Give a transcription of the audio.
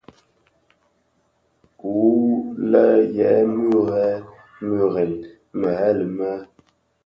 Wu lè yè murèn muren meghel me.